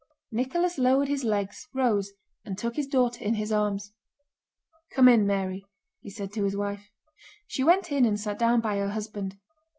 Nicholas lowered his legs, rose, and took his daughter in his arms. "Come in, Mary," he said to his wife. She went in and sat down by her husband.